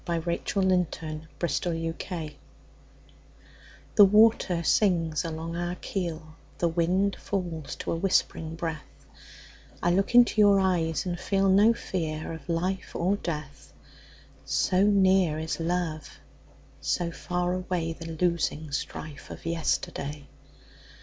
By SophieJewett 1502 Armistice THE WATER sings along our keel, The wind falls to a whispering breath;I look into your eyes and feelNo fear of life or death; So near is love, so far awayThe losing strife of yesterday.